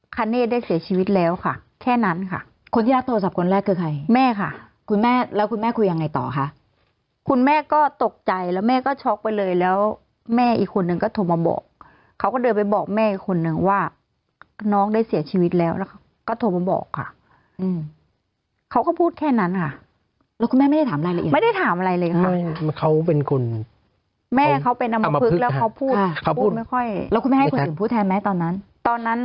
คณได้เสียชีวิตแล้วค่ะแค่นั้นค่ะคนที่รักโทรศัพท์คนแรกคือใครแม่ค่ะคุณแม่แล้วคุณแม่คุยยังไงต่อค่ะคุณแม่ก็ตกใจแล้วแม่ก็ช็อกไปเลยแล้วแม่อีกคนนึงก็โทรมาบอกเขาก็เดินไปบอกแม่คนหนึ่งว่าน้องได้เสียชีวิตแล้วแล้วก็โทรมาบอกค่ะอืมเขาก็พูดแค่นั้นค่ะแล้วคุณแม่ไม่ได้ถามอะไรไม่ได้ถามอะไร